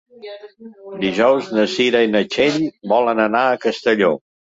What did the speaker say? Dijous na Cira i na Txell volen anar a Castelló.